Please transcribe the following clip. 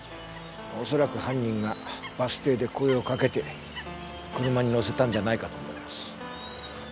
おそらく犯人がバス停で声をかけて車に乗せたんじゃないかと思います。